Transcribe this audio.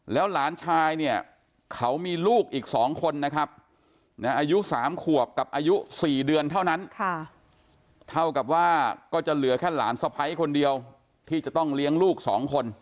แล้วหลานชายเนี่ยเขามีลูกอีก๒คนนะครับอายุ๓ขวบกับอายุ๔เดือนเท่านั้นเท่ากับว่าก็จะเหลือแค่หลานสะพ้ายคนเดียวที่จะต้องเลี้ยงลูก๒คน